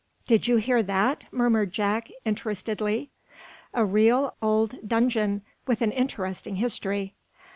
"Did you hear that?" murmured Jack, interestedly. "A real, old dungeon, with an interesting history."